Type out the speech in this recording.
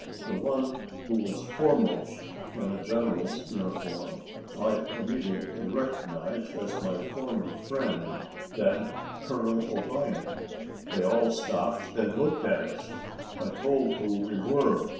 The one who was foremost, in a general's uniform, I immediately recognised as my former friend, then Colonel O'Brien. They all stopped and looked at us. I told who we were.